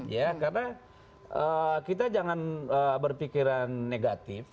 ya karena kita jangan berpikiran negatif